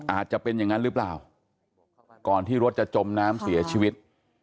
อาจจะเป็นอย่างนั้นหรือเปล่าก่อนที่รถจะจมน้ำเสียชีวิต